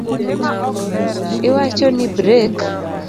Iwacho ni brek?